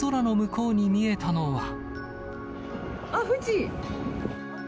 あっ、富士！